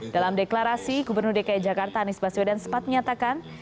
dalam deklarasi gubernur dki jakarta anies baswedan sempat menyatakan